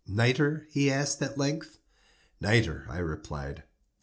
"Nitre?" he asked, at length. "Nitre," I replied.